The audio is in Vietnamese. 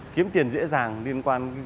kiếm tiền dễ dàng liên quan